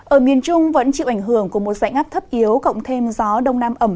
ở miền trung vẫn chịu ảnh hưởng của một dãy ngắp thấp yếu cộng thêm gió đông nam ẩm